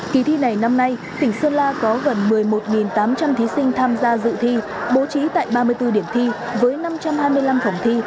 kỳ thi này năm nay tỉnh sơn la có gần một mươi một tám trăm linh thí sinh tham gia dự thi bố trí tại ba mươi bốn điểm thi với năm trăm hai mươi năm phòng thi